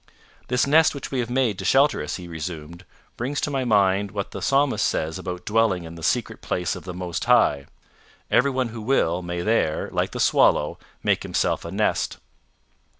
"This nest which we have made to shelter us," he resumed, "brings to my mind what the Psalmist says about dwelling in the secret place of the Most High. Everyone who will, may there, like the swallow, make himself a nest."